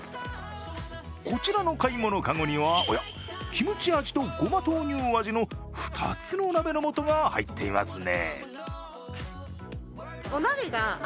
こちらの買い物かごにはおや、キムチ味とごま豆乳味の２つの鍋の素が入っていますね。